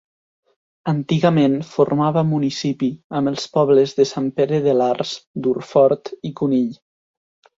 Antigament formava municipi amb els pobles de Sant Pere de l'Arç, Durfort i Conill.